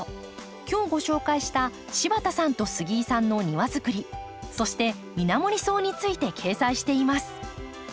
今日ご紹介した柴田さんと杉井さんの庭づくりそしてイナモリソウについて掲載しています。